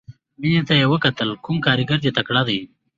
مينې ته يې وکتل کوم کارګر دې تکړه دى.